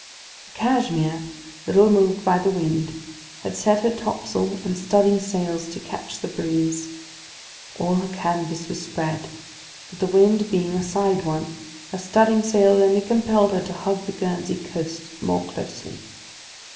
The Cashmere, little moved by the wind, had set her topsail and studding sails to catch the breeze. All her canvas was spread, but the wind being a side one, her studding sails only compelled her to hug the Guernsey coast more closely.